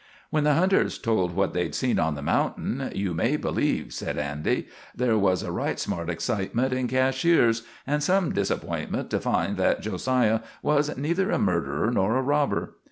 "When the hunters told what they'd seen on the mountain, you may believe," said Andy, "there was right smart excitement in Cashiers, and some disappointment to find that Jo siah was neither a murderer nor a robber.